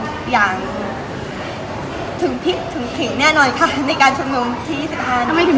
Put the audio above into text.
ข้อมูลอย่างถึงพิษถึงขิงแน่นอนในการชมนมที่๒๕หนึ่ง